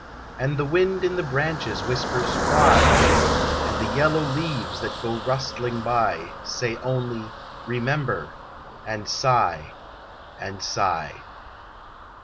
And the wind in the branches whispers, "Why?" And the yellow leaves that go rustling by, Say only, "Remember," and sigh, and sigh.